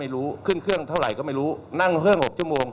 เพราะถือว่าคุณไม่มีความรับผิดชอบต่อสังคม